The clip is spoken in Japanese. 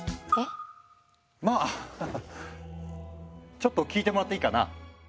ちょっと聞いてもらっていいかな？